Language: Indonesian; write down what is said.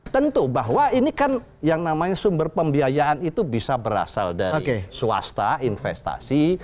tentu bahwa ini kan yang namanya sumber pembiayaan itu bisa berasal dari swasta investasi